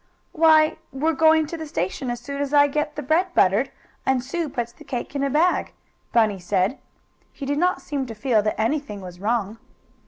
"Why, we're going to the station as soon as I get the bread buttered, and Sue puts the cake in a bag," Bunny said. He did not seem to feel that anything was wrong.